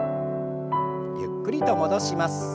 ゆっくりと戻します。